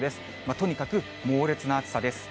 とにかく猛烈な暑さです。